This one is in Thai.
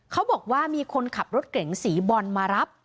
เขาบอกว่ามีคนขับรถเก๋งสีบอลมารับ